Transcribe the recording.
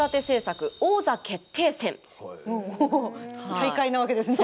大会なわけですね。